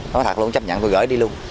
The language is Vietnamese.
nó thật lòng chấp nhận tôi gửi đi luôn